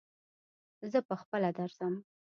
زه په خپله درځم